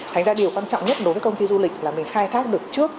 thành ra điều quan trọng nhất đối với công ty du lịch là mình khai thác được trước